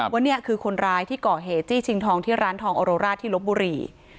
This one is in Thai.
ว่านี่คือคนร้ายที่ก่อเหตุจี้ชิงทองที่ร้านทองอโรราชที่ลบบุรี